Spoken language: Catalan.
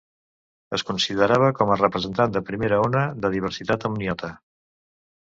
Es considerava com a representant de primera ona de diversitat amniota.